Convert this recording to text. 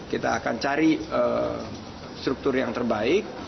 kita akan cari struktur yang terbaik